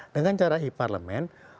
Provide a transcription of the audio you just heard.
dengan cara i parlemen